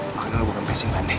makan dulu gue kempe singkat nih